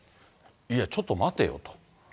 いやちょっと待てよと。